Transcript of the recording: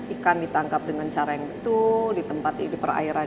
ikan ditangkap dengan cara yang betul di tempat ini perairan yang betul